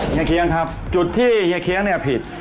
เฮียเคียงครับจุดที่เฮียเคียงผิด